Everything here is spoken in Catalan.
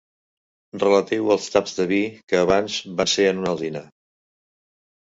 Relatiu als taps de vi que abans van ser en una alzina.